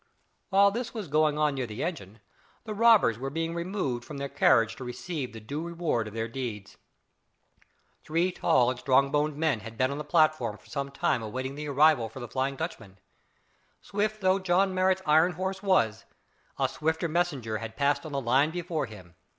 While this was going on near the engine, the robbers were being removed from their carriage to receive the due reward of their deeds. Three tall and strong boned men had been on the platform for some time awaiting the arrival of the "Flying Dutchman." Swift though John Marrot's iron horse was, a swifter messenger had passed on the line before him.